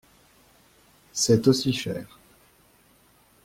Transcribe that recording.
C’est aussi cher.